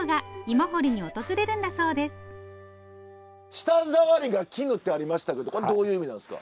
「舌触りが絹」ってありましたけどこれどういう意味なんですか？